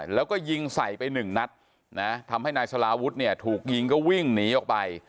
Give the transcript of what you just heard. แล้วก็ยิงใส่ไป๑นัททำให้นายสลาวุธถูกยิงก็วิ่งหนีออกไป